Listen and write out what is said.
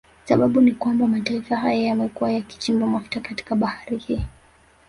Sababau ni kwamba mataifa haya yamekuwa yakichimba mafuta katika bahari hii